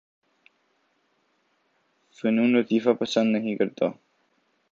فنون لطیفہ پسند نہیں کرتا